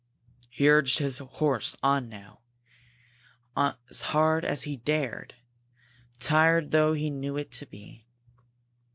He urged his horse on now as hard as he dared, tired though he knew it to be.